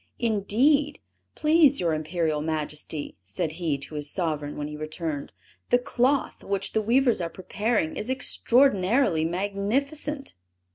"Indeed, please your Imperial Majesty," said he to his sovereign when he returned, "the cloth which the weavers are preparing is extraordinarily magnificent."